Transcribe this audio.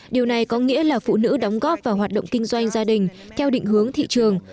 điều này có nghĩa là phụ nữ đóng góp vào hoạt động kinh doanh gia đình theo định hướng thị trường